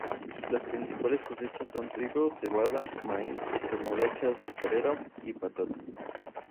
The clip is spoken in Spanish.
Las principales cosechas son trigo, cebada, maíz, remolacha azucarera y patata.